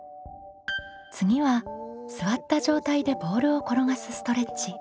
次は座った状態でボールを転がすストレッチ。